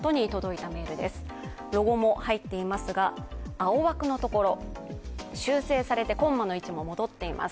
青枠のところ、修正されてコンマの位置も戻っています。